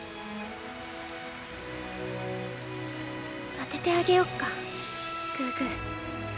当ててあげよっかグーグー。